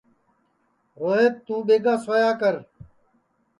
روہیت توں ٻیگا سویا کر